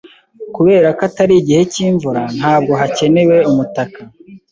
Kubera ko atari igihe cyimvura, ntabwo hakenewe umutaka.